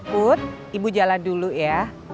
put ibu jalan dulu ya